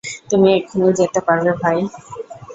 তুমি এক্ষুণি যেতে পারবে, ভাই?